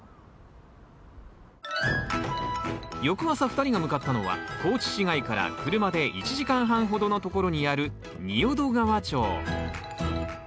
翌朝２人が向かったのは高知市街から車で１時間半ほどの所にある仁淀川町